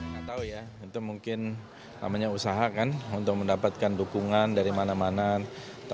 pdip menilai tidak ada muatan politik apapun dari pertemuan tersebut